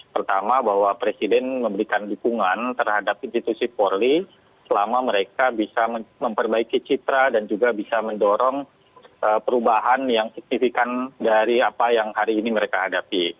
pertama bahwa presiden memberikan dukungan terhadap institusi polri selama mereka bisa memperbaiki citra dan juga bisa mendorong perubahan yang signifikan dari apa yang hari ini mereka hadapi